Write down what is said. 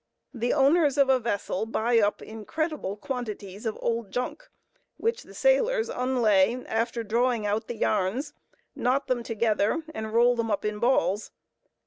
The owners of a vessel buy up incredible quantities of "old junk," which the sailors unlay after drawing out the yarns, knot them together and roll them up in balls.